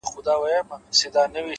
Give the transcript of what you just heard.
اراده د ستونزو پولې ماتوي’